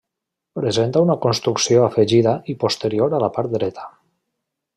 Presenta una construcció afegida i posterior a la part dreta.